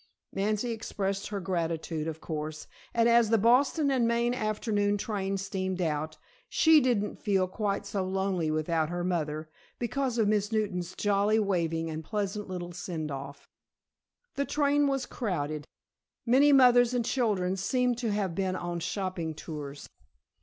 Nancy expressed her gratitude, of course, and as the Boston and Maine afternoon train steamed out, she didn't feel quite so lonely without her mother, because of Miss Newton's jolly waving and pleasant little send off. The train was crowded. Many mothers and children seemed to have been on shopping tours.